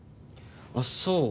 あっそう。